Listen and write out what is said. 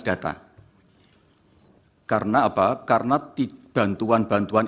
data karena apa karena bantuan bantuan